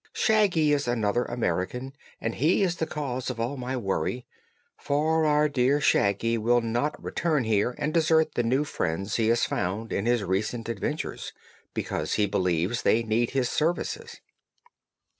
Shaggy is another American, and he is the cause of all my worry, for our dear Shaggy will not return here and desert the new friends he has found in his recent adventures, because he believes they need his services."